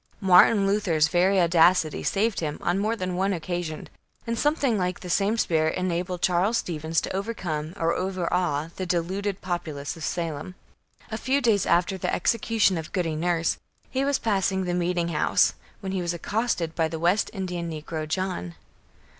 Martin Luther's very audacity saved him, on more than one occasion, and something like the same spirit enabled Charles Stevens to overcome or overawe the deluded populace of Salem. A few days after the execution of Goody Nurse, he was passing the meeting house, when he was accosted by the West Indian negro, John.